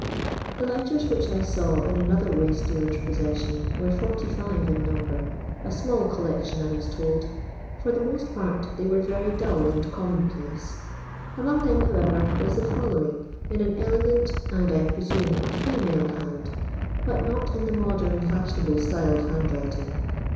The letters which I saw in another waste dealer's possession were 45 in number, a small collection, I was told ; for the most part they were very dull and common place. Among them, however, was the following, in an elegant, and I presume a female band, but not in the modern fashionable style of handwriting.